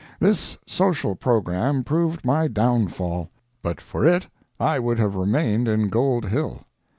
This social programme proved my downfall. But for it, I would have remained in Gold Hill.